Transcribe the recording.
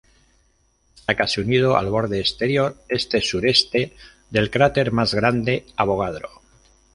Está casi unido al borde exterior este-sureste del cráter más grande Avogadro.